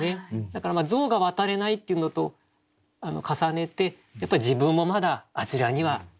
だから象が渡れないっていうのと重ねて自分もまだあちらにはいけない。